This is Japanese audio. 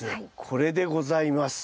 これでございます。